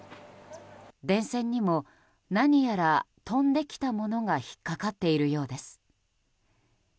電線にも何やら飛んできたものが引っかかっているようです。